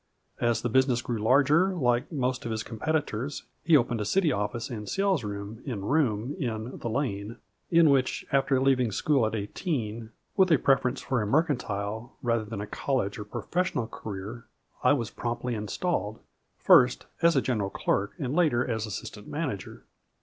As the business grew larger, like most of his competi tors, he opened a city office and salesroom in room in " the Lane," in which, after leaving school at eighteen, with a preference for a mer cantile rather than a college and professional career, I was promptly installed, first as a general clerk and later as assistant manager.